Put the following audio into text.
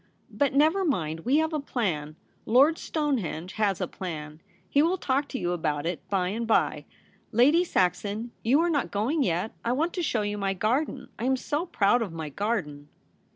But never mind, we have a plan — Lord Stonehenge has a plan ; he will talk to you about it by and by. Lady Saxon, you are not going yet ; I want to show you my garden. I am so proud of my garden.'